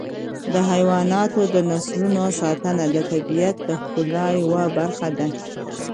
د حیواناتو د نسلونو ساتنه د طبیعت د ښکلا یوه برخه ده.